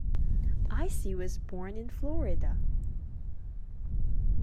Icey was born in Florida.